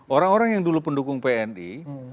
orang orang yang dulu pendukung pni